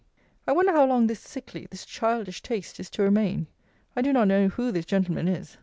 I wonder how long this sickly, this childish, taste is to remain. I do not know who this gentleman is.